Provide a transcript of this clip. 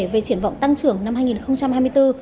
về triển vọng tăng trưởng năm hai nghìn hai mươi bốn